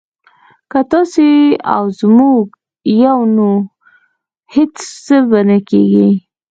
که تاسو يئ او موږ يو نو هيڅ به نه کېږي